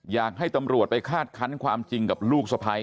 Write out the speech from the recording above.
อยากให้ตำรวจไปคาดคันความจริงกับลูกสะพ้าย